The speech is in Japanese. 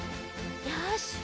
よし。